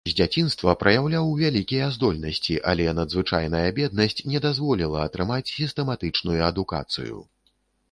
З дзяцінства праяўляў вялікія здольнасці, але надзвычайная беднасць не дазволіла атрымаць сістэматычную адукацыю.